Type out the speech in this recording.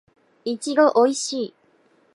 いちごおいしい